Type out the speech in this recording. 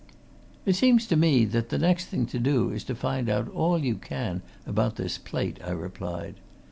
"It seems to me that the next thing to do is to find out all you can about this plate," I replied.